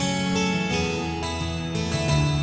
lan marche rumorsnya udah selesai